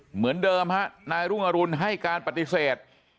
เหมือนเดิมฮะนายรุ่งอรุณให้การปฏิเสธ